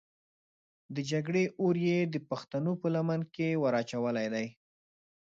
د جګړې اور یې د پښتنو په لمن کې ور اچولی دی.